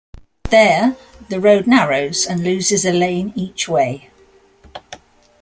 There, the road narrows and loses a lane each way.